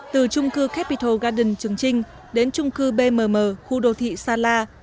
từ trung cư capital garden trường trinh đến trung cư bmm khu đô thị sala